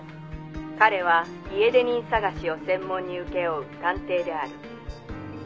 「彼は家出人捜しを専門に請け負う探偵である」